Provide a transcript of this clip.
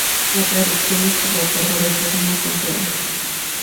La traducción estuvo a cargo de Susana Contreras.